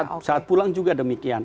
saat pulang juga demikian